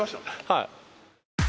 はい。